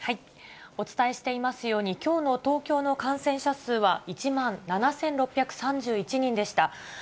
お伝えしていますように、きょうの東京の感染者数は１万７６３１人でした。